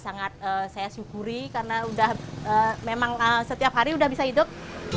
saya sangat syukuri karena memang setiap hari sudah bisa hidup